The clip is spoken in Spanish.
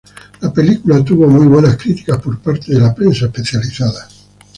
La película tuvo muy buenas críticas por parte de la prensa especializada.